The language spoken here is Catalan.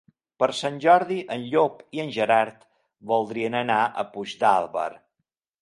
Per Sant Jordi en Llop i en Gerard voldrien anar a Puigdàlber.